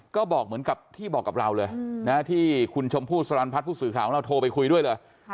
ก็บอกเหมือนกับที่บอกกับเราเลยที่คุณชมพู่สรรพัฒน์ผู้สื่อข่าวของเราโทรไปคุยด้วยเลย